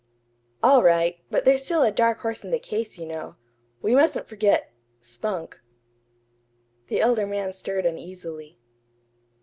"All right; but there's still a dark horse in the case, you know. We mustn't forget Spunk." The elder man stirred uneasily.